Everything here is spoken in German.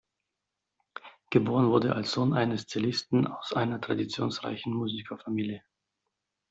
Geboren wurde er als Sohn eines Cellisten aus einer traditionsreichen Musikerfamilie.